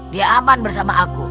dia aman bersama aku